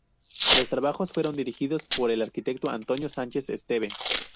Los trabajos fueron dirigidos por el arquitecto Antonio Sánchez Esteve.